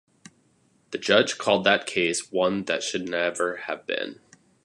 The judge called that case one "that should never have been".